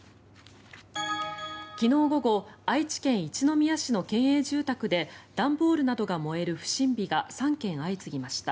昨日午後愛知県一宮市の県営住宅で段ボールなどが燃える不審火が３件相次ぎました。